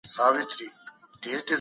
خاوند کولای سي، چي يوازي ولاړ سي.